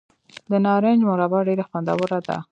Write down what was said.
د نارنج مربا ډیره خوندوره ده.